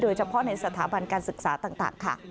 เฉพาะในสถาบันการศึกษาต่างค่ะ